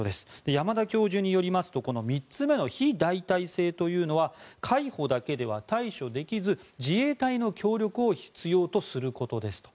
山田教授によりますとこの３つ目の非代替性というのは海保だけでは対処できず自衛隊の協力を必要とすることですと。